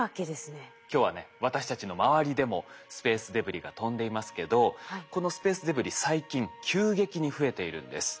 今日はね私たちの周りでもスペースデブリが飛んでいますけどこのスペースデブリ最近急激に増えているんです。